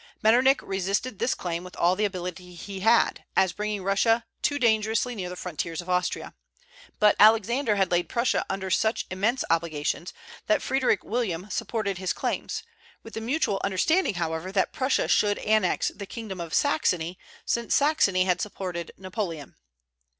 Metternich resisted this claim with all the ability he had, as bringing Russia too dangerously near the frontiers of Austria; but Alexander had laid Prussia under such immense obligations that Frederick William supported his claims, with the mutual understanding, however, that Prussia should annex the kingdom of Saxony, since Saxony had supported Napoleon.